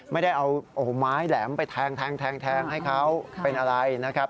ไม่ได้เอาไม้แหลมไปแทงให้เขาเป็นอะไรนะครับ